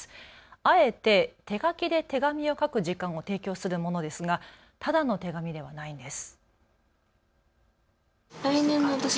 あえて手書きで手紙を書く時間を提供するものですがただの手紙ではないんです。